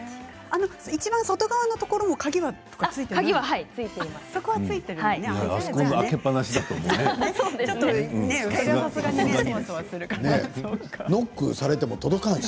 いちばん外側のところも鍵とかついてないの？